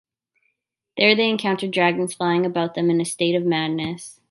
There they encounter dragons flying about them in a state of madness.